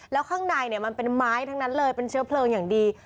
แล้วข้างในมันเป็นไม้ทั้งนั้นเลยเป็นเชื้อเพลิงอย่างดี